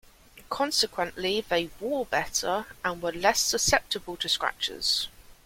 Consequently, they "wore" better, and were less susceptible to scratches.